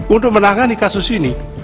untuk menangani kasus ini